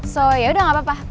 so yaudah gak apa apa